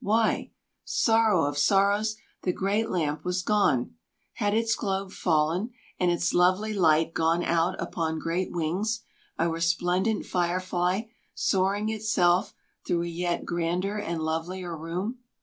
Why? Sorrow of sorrows! the great lamp was gone! Had its globe fallen? and its lovely light gone out upon great wings, a resplendent fire fly, soaring itself through a yet grander and lovelier room?